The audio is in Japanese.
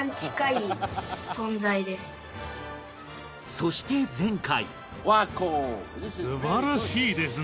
そして前回